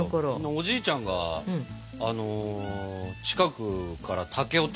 おじいちゃんが近くから竹をとってきて。